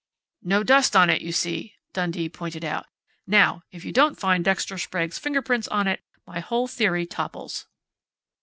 "No dust on it, you see," Dundee pointed out. "Now if you don't find Dexter Sprague's fingerprints on it, my whole theory topples."